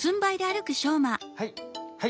はい！